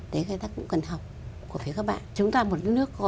đấy là cái ta cũng cần học của phía các bạn